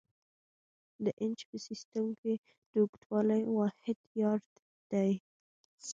د انچ په سیسټم کې د اوږدوالي واحد یارډ دی.